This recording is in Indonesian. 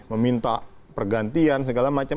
meminta pergantian segala macam